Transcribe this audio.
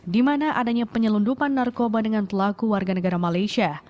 di mana adanya penyelundupan narkoba dengan pelaku warga negara malaysia